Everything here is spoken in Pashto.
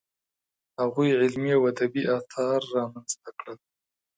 هغوی علمي او ادبي اثار رامنځته کړل.